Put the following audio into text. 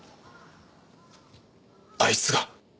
あいつが？